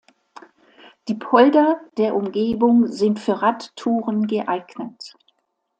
Die Polder der Umgebung sind für Radtouren geeignet.